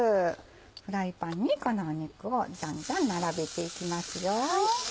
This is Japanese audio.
フライパンにこの肉をどんどん並べていきますよ。